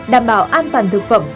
đảm bảo an toàn thực phẩm